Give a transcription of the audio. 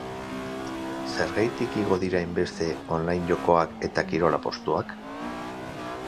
Zergatik igo dira hainbeste online jokoak eta kirol apustuak?